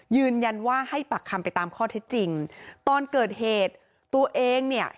ยืนยันว่าให้ปากคำไปตามข้อเท็จจริงตอนเกิดเหตุตัวเองเนี่ย